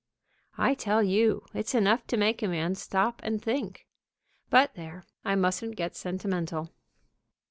I tell you, it's enough to make a man stop and think. But there, I mustn't get sentimental.